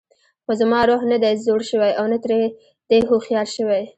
خو زما روح نه دی زوړ شوی او نه تر دې هوښیار شوی.